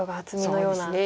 そうですね